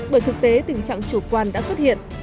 bởi thực tế tình trạng chủ quan đã xuất hiện